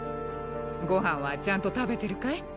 ご飯はちゃんと食べてるかい？